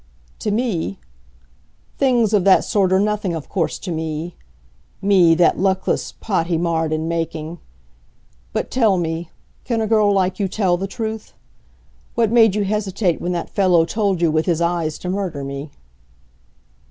"To me? Things of that sort are nothing, of course, to me me, that 'luckless Pot He marr'd in making.' But, tell me can a girl like you tell the truth? What made you hesitate when that fellow told you with his eyes to murder me?"